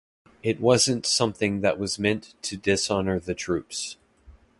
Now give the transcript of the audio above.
It wasn't something that was meant to dishonor the troops.